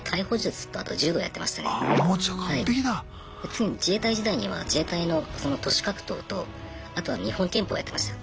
次に自衛隊時代には自衛隊のその徒手格闘とあとは日本拳法やってました。